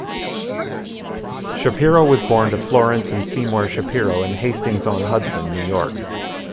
Shapiro was born to Florence and Seymour Shapiro in Hastings-on-Hudson, New York.